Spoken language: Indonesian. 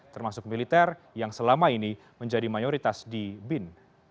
termasuk militer yang selama ini menjadi mayoritas di bin